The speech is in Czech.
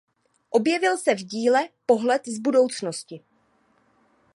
Objevil se v díle "Pohled z budoucnosti".